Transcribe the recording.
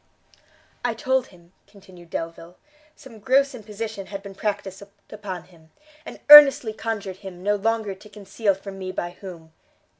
"I told him," continued Delvile, "some gross imposition had been practiced upon him, and earnestly conjured him no longer to conceal from me by whom.